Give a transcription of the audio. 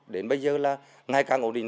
đến bây giờ là ngay càng ổn định